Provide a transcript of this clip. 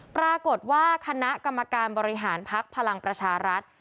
ปรากฏว่าคณะกรรมการบริหารภักดิ์พลังประชารัฐ